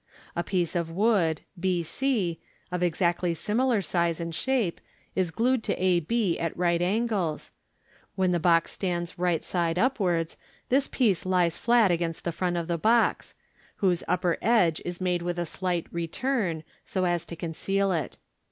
A piece of wood b c, of exactly similar size and shape, is glued to a b at right angles. When the box stands right side upwards, this piece lies flat against the front of the box, whose upper edge is made with a slight " return," so as to conceal it.